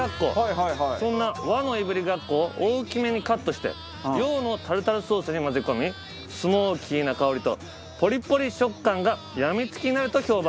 そんな「和」のいぶりがっこを大きめにカットして「洋」のタルタルソースに混ぜ込みスモーキーな香りとポリポリ食感がやみつきになると評判。